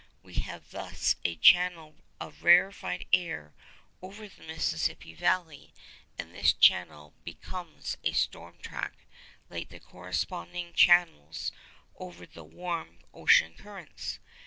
We have thus a channel of rarefied air over the Mississippi valley, and this channel becomes a storm track, like the corresponding channels over the warm ocean currents.